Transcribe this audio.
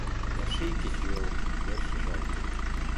Да ший кечыйол йыр шыжалте.